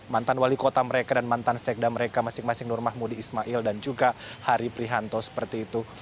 mantan wali kota mereka dan mantan sekda mereka masing masing nur mahmudi ismail dan juga hari prihanto seperti itu